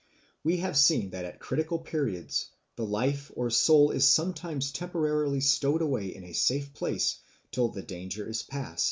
We have seen that at critical periods the life or soul is sometimes temporarily stowed away in a safe place till the danger is past.